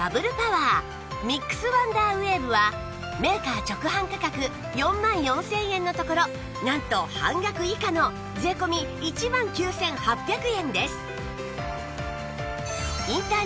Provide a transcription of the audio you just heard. ミックスワンダーウェーブはメーカー直販価格４万４０００円のところなんと半額以下の税込１万９８００円です